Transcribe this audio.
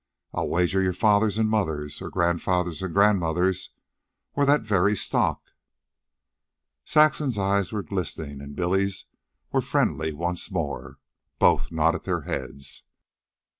I'll wager your fathers and mothers, or grandfathers and grandmothers, were that very stock." Saxon's eyes were glistening, and Billy's were friendly once more. Both nodded their heads.